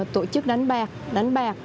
tổ chức đánh bạc